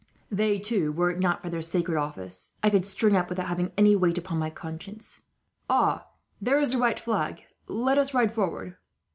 They, too, were it not for their sacred office, I could string up without having any weight upon my conscience. "Ah! There is the white flag. Let us ride forward."